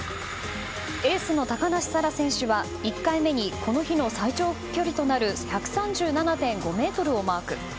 エースの高梨沙羅選手は１回目にこの日の最長距離となる１３７．５ｍをマーク。